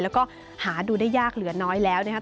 แล้วก็หาดูได้ยากเหลือน้อยแล้วนะครับ